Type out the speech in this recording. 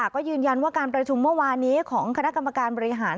ก็ยืนยันว่าการประชุมเมื่อวานนี้ของคณะกรรมการบริหาร